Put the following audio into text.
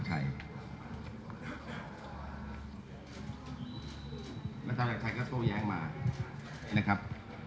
อาจารย์ประจักรชัยก็โต้แย้งมานะครับ